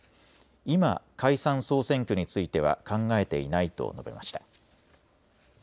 今、解散・総選挙については考えていないと述べました。